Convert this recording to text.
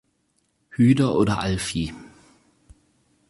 Hyder oder Alfie.